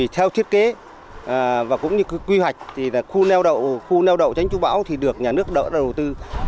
theo thiết kế và quy hoạch khu nheo đậu tránh chú bão được nhà nước đỡ đầu tư